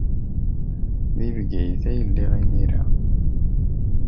Deg Bgayet ay lliɣ imir-a.